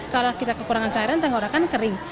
kalau kita kekurangan cairan tenggorokan kering